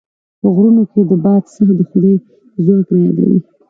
په غرونو کې د باد ساه د خدای ځواک رايادوي.